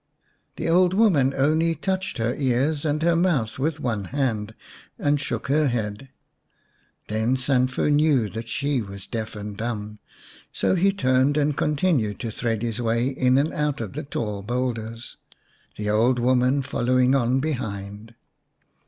The old woman only touched her ears and her mouth with one hand, and shook her head. Then Sanfu knew that she was deaf and dumb. So he turned and continued to thread his way in and out of the tall boulders, the old woman following on behind.